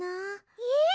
えっ！？